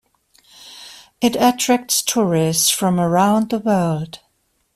It attracts tourists from around the world.